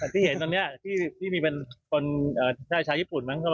ที่เห็นตอนนี้ที่มีเป็นคนชายชายญี่ปุ่นมั้ง